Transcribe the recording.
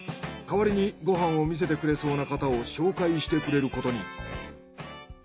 代わりにご飯を見せてくれそうな方を紹介してくれることに。